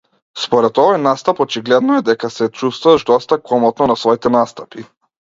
Според овој настап очигледно е дека се чувствуваш доста комотно на своите настапи.